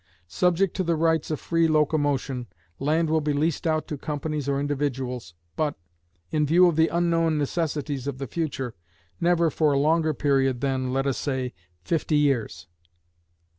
Subject to the rights of free locomotion, land will be leased out to companies or individuals, but in view of the unknown necessities of the future never for a longer period than, let us say, fifty years.